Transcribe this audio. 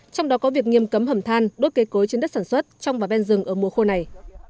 trong đó có việc nghiêm cấm hầm than đốt cây cối trên đất sản xuất trong và ven rừng ở mùa khô này